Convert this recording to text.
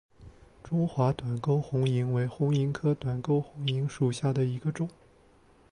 中华短沟红萤为红萤科短沟红萤属下的一个种。